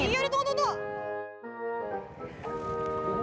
iya di tengah tengah